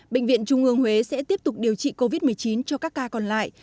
bệnh viện trung ương huế sẽ tiếp tục điều trị covid một mươi chín cho các ca còn lại